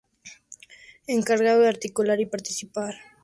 Encargado de articular y participar en los movimientos estudiantiles asturianos.